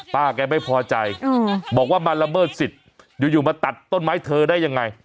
ป้าแกไม่พอใจบอกว่ามาละเมิดสิทธิ์อยู่มาตัดต้นไม้เธอได้ยังไง